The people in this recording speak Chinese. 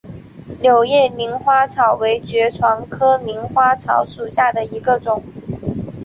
柳叶鳞花草为爵床科鳞花草属下的一个种。